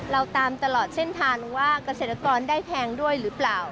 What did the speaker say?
เราตามตลอดเส้นทางว่าเกษตรกรได้แพงด้วยหรือเปล่า